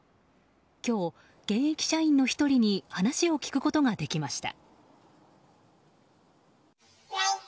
今日、現役社員の１人に話を聞くことができました。